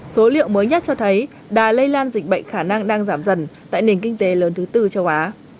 số liệu mới nhất cho thấy đà lây lan dịch bệnh khả năng đang giảm dần tại nền kinh tế lớn thứ tư châu á